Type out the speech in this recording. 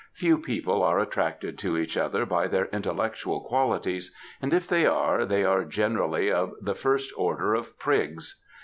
Few people are attracted to each other by their intellectual qualities, and, if they are, they are generally of the first order of prigs.